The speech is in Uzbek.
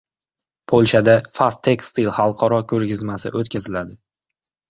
Polshada «Fast Textile» xalqaro ko`rgazmasi o`tkaziladi